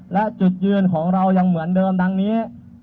และจุดยืนของเรายังเหมือนเดิมดังนี้